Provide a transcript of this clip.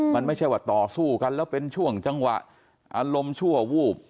มันไม่ใช่ว่าต่อสู้กันแล้วเป็นช่วงจังหวะอารมณ์ชั่ววูบ